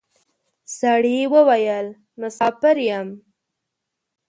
سړي وويل: مساپر یم.